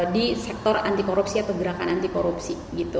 di sektor anti korupsi atau gerakan anti korupsi